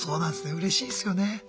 うれしいですよね。